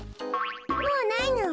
もうないの。